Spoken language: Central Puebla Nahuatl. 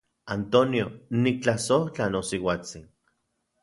Antonio, niktlasojtla nosiuatsin.